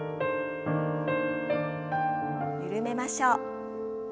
緩めましょう。